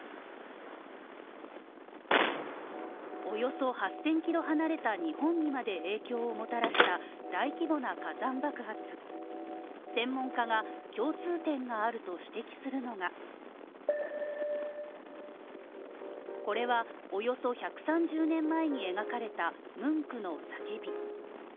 およそ８０００キロ離れた日本にまで影響をもたらした大規模な火山爆発専門家が、共通点があると指摘するのがこれは、およそ１３０年前に描かれた、「ムンクの叫び」